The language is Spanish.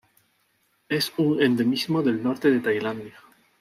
Es un endemismo del norte de Tailandia.